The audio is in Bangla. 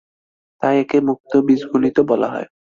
তাই একে মুক্ত বীজগণিতও বলা হয়।